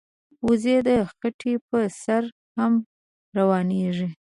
وزې د خټې پر سر هم روانېږي